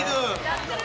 「やってる？」。